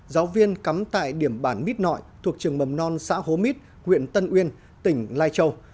giáo viên cắm tại điểm bản mít nội thuộc trường mầm non xã hố mít huyện tân uyên tỉnh lai châu